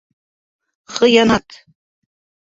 Хыянат!